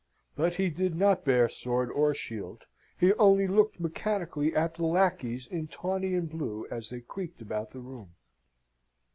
But he did not bare sword or shield; he only looked mechanically at the lacqueys in tawny and blue as they creaked about the room.